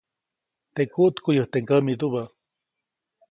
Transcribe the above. Teʼ kuʼtkuʼyäjte ŋgämidubä.